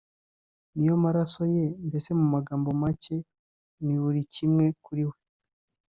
niyo maraso ye mbese mu magambo make ni buri kimwe kuri we